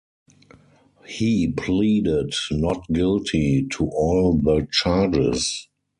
He pleaded not guilty to all the charges.